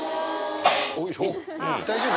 大丈夫？